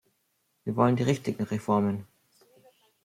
Wir wollen die richtigen Reformen.